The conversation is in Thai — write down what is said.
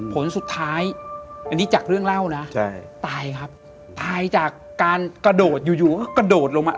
ผลสุดท้ายอันนี้จากเรื่องเล่านะใช่ตายครับตายจากการกระโดดอยู่อยู่ก็กระโดดลงมา